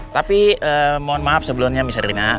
tapi mohon maaf sebelumnya miss erina